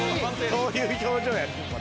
どういう表情やねんこれ。